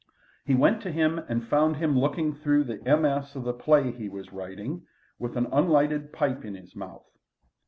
He went to him and found him looking through the MS. of the play he was writing, with an unlighted pipe in his mouth.